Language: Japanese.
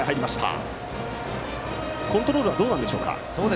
コントロールはどうなんでしょうか。